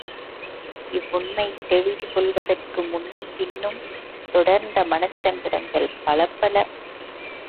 இவ்வுண்மை தெளிவு கொள்வதற்கு முன்னும் பின்னும் தொடர்ந்த மனச் சங்கடங்கள் பலப்பல!